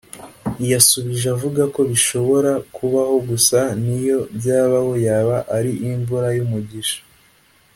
yasubije avugako bishobora kubaho gusa niyo byabaho yaba ari imvura y’ umugisha